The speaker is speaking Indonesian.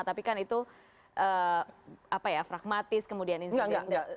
tapi kan itu apa ya fragmatis kemudian insiden